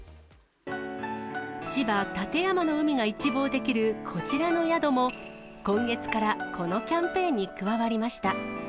千葉・館山の海が一望できるこちらの宿も、今月からこのキャンペーンに加わりました。